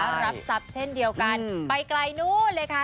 รับทรัพย์เช่นเดียวกันไปไกลนู้นเลยค่ะ